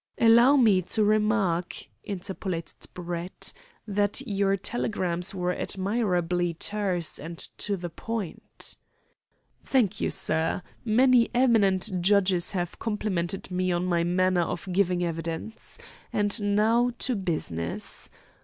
"Allow me to remark," interpolated Brett, "that your telegrams were admirably terse and to the point." "Thank you, sir. Many eminent judges have complimented me on my manner of giving evidence. And now to business.